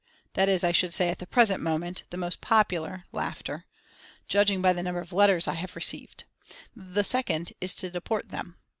That is, I should say, at the present moment, the most popular, judging by the number of letters I have received. The second is to deport them.